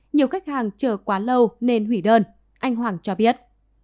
nhiều khách hàng chờ quá lâu nên hủy đơn anh hoàng cho biết